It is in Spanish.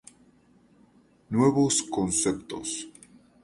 Nuevos conceptos.